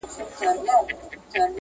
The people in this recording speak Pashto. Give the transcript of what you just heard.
تر هغې ورسیږې